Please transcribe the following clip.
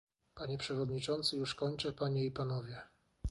Panie przewodniczący - już kończę - panie i panowie